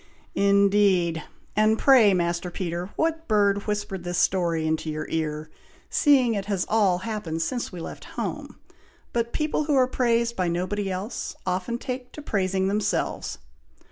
'" "Indeed! and pray, Master Peter, what bird whispered this story into your ear, seeing it has all happened since we left home! but people who are praised by nobody else, often take to praising themselves!"